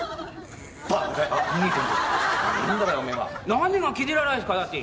何が気に入らないんすかだって。